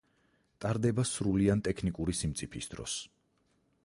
ტარდება სრული ან ტექნიკური სიმწიფის დროს.